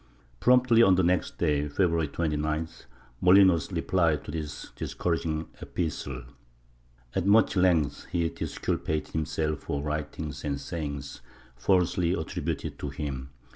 Promptly on the next day, February 29th, Molinos replied to this discouraging epistle. At much length he disculpated himself for writings and sayings falsely attributed to him.